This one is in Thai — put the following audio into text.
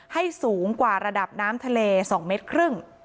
ให้สูงกว่าระดับน้ำทะเล๒๕เมตร